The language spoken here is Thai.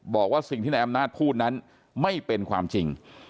บอกว่าสิ่งที่นายอำนาจพูดนั้นไม่เป็นความจริง